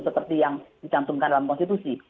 seperti yang dicantumkan dalam konstitusi